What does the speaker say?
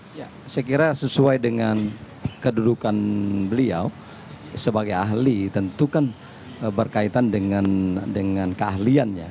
saya kira sesuai dengan kedudukan beliau sebagai ahli tentukan berkaitan dengan keahliannya